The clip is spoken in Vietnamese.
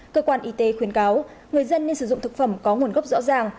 cơ quan y tế khuyến cáo người dân nên sử dụng thực phẩm có nguồn gốc rõ ràng